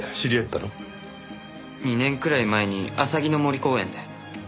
２年くらい前にあさぎの森公園で。